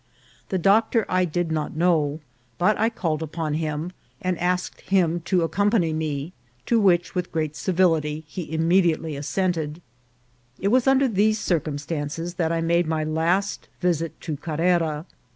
This doctor I did not know, but I called upon him, and asked him to accompany me, to which, with great civility, he immediately assented. LAST INTERVIEW WITH CAREER A. 137 It was under these circumstances that I made my last visit to Carrera.